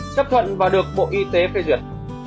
chấp thuận và được bộ y tế phê duyệt